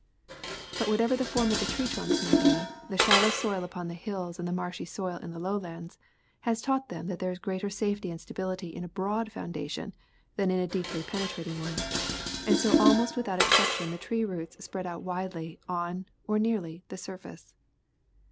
But whatever the form of the tree trunks may be, the shallow soil upon the hills and the marshy soil in the lowlands, has taught them that there is greater safety and stability in a broad founda tion than in a deeply penetrating one, and so almost without exception the tree roots spread out widely, on, or near, the sur face.